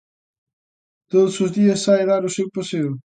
Todos os días sae dar o seu paseo.